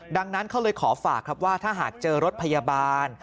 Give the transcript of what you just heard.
ดังนั้นเขาเลยขอฝากครับว่าถ้าหากเจอรถพยาบาล